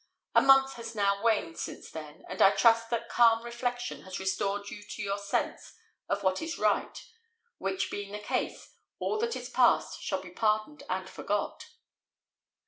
A month has now waned since then, and I trust that calm reflection has restored you to your sense of what is right; which being the case, all that is past shall be pardoned and forgot."